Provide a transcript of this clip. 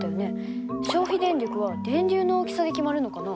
消費電力は電流の大きさで決まるのかな？